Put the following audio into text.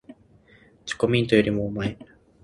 チョコミントよりもおまえ